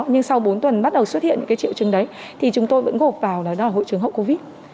nhưng sau bốn tuần bắt đầu xuất hiện những triệu chứng đấy thì chúng tôi vẫn gộp vào là đó là hội chứng hậu covid